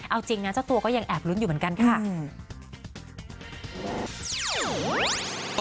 เอาจริงนะเจ้าตัวก็ยังแอบลุ้นอยู่เหมือนกันค่ะ